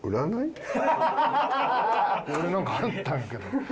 俺なんかあったんやけど。